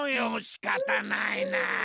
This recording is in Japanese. しかたないな。